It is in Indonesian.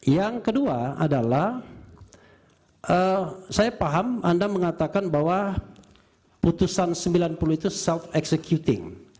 yang kedua adalah saya paham anda mengatakan bahwa putusan sembilan puluh itu self executing